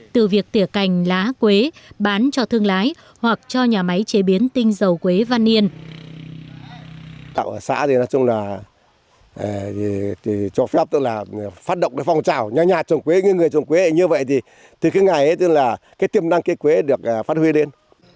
từ việc tỉa cành lá quế bán cho thương lái hoặc cho nhà máy chế biến tinh dầu quế văn yên